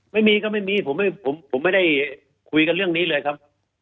ไม่มีก็ไม่มีผมไม่ได้คุยกันเรื่องนี้เลยครับ